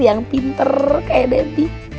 yang pinter kayak debbie